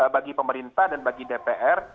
bagi pemerintah dan bagi dpr